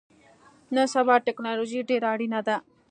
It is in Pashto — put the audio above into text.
نن سبا ټکنالوژی ډیره اړینه ده